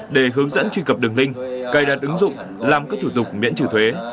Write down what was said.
để hướng dẫn truy cập đường link cài đặt ứng dụng làm các thủ tục miễn trừ thuế